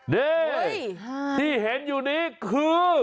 นี่ที่เห็นอยู่นี้คือ